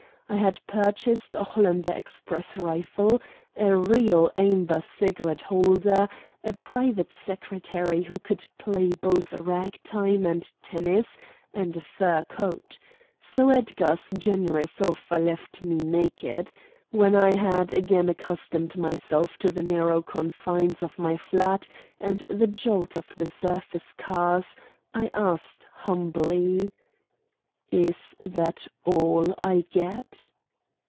I had purchased a Hollander express rifle, a real amber cigar holder, a private secretary who could play both rag time and tennis, and a fur coat. So Edgar's generous offer left me naked. When I had again accustomed myself to the narrow confines of my flat, and the jolt of the surface cars, I asked humbly: "Is that all I get?"